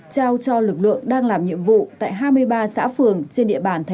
trao cho lực lượng tuyến đầu phòng chống dịch